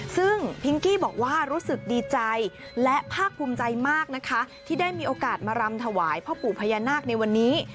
ซึ่งพิงกี้บอกว่ารู้สึกดีใจและภาคภูมิใจมากนะคะที่ได้มีโอกาสมารำถวายพ่อปู่พญานาคในวันนี้